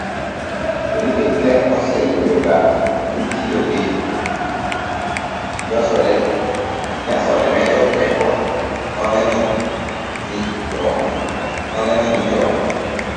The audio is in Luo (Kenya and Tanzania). to nikech ne osewinjoga ni tiyo gi nyasore medo teko noneno ni jowadgi